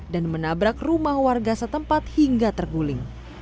dan menabrak rumah warga setempat hingga terguling